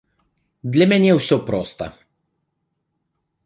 Для мяне ўсё проста.